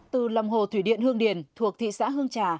từ lòng hồ thủy điện hương điền thuộc thị xã hương trà